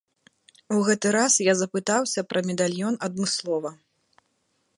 У гэты раз я запытаўся пра медальён адмыслова.